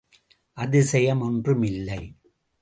அதிசயம் ஒன்றும் இல்லை!